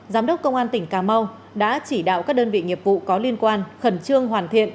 giám đốc công an tỉnh cà mau đã chỉ đạo các đơn vị nghiệp vụ có liên quan khẩn trương hoàn thiện